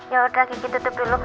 yaudah kiki tutup dulu